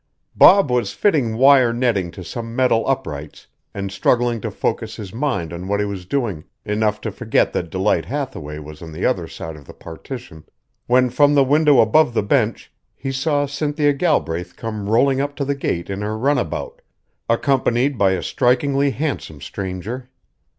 Bob was fitting wire netting to some metal uprights and struggling to focus his mind on what he was doing enough to forget that Delight Hathaway was on the other side of the partition when from the window above the bench he saw Cynthia Galbraith come rolling up to the gate in her runabout, accompanied by a strikingly handsome stranger.